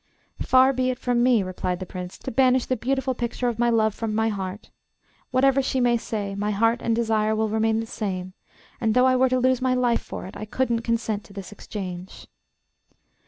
'Far be it from me,' replied the Prince, 'to banish the beautiful picture of my love from my heart. Whatever she may say, my heart and desire will remain the same, and though I were to lose my life for it, I couldn't consent to this exchange.